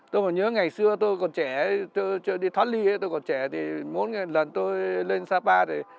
tôi nhớ ngày xưa tôi còn trẻ tôi chưa đi thoát ly tôi còn trẻ thì mỗi lần tôi lên sapa